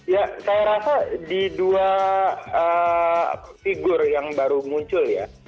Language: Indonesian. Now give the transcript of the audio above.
ya saya rasa di dua figur yang baru muncul ya